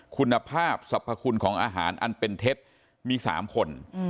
คุณภาพสรรพคุณของอาหารอันเป็นเท็จมี๓คน